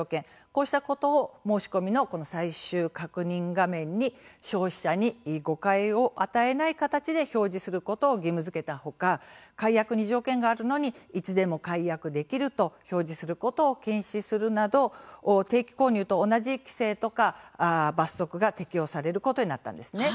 こうしたことを申し込みのこの最終確認画面に消費者に誤解を与えない形で表示することを義務づけたほか解約に条件があるのにいつでも解約できると表示することを禁止するなど定期購入と同じ規制とか罰則が適用されることになったんですね。